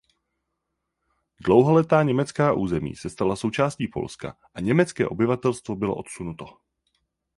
Dlouholetá německá území se stala součásti Polska a německé obyvatelstvo bylo odsunuto.